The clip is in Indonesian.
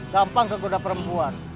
gampang kegoda perempuan